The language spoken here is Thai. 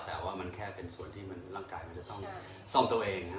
แต่ว่ามันแค่เป็นส่วนที่มันร่างกายมันจะต้องซ่อมตัวเอง